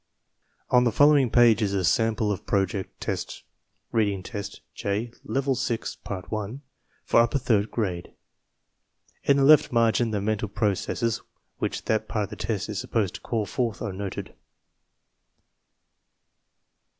On the following page is a sample of Project Test (Reading Test J, Level VI, Part I) for upper third grade. In the left margin the mental processes which that part of the test is supposed to call forth are noted.